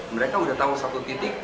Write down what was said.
mereka sudah tahu satu titik